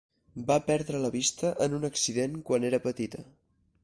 Va perdre la vista en un accident quan era petita.